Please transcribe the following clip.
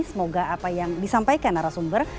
semoga apa yang disampaikan arah sumber